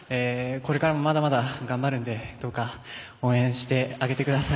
これからもまだまだ頑張るんでどうか応援してあげてください。